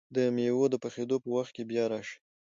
د مېوو د پخېدو په وخت کې بیا راشئ!